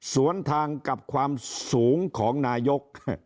สวนทางกับความสูงของนายก